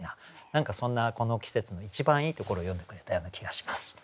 何かそんな季節の一番いいところを詠んでくれたような気がします。